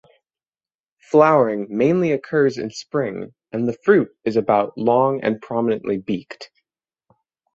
Flowering mainly occurs in spring and the fruit is about long and prominently beaked.